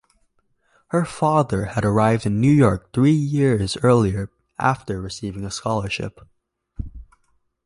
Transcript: Her father had arrived in New York three years earlier after receiving a scholarship.